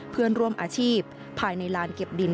เพื่อนร่วมอาชีพภายในลานเก็บดิน